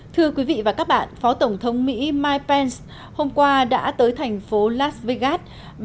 thưa quý vị và các bạn phó tổng thống mỹ mike pence hôm qua đã tới thành phố las vegas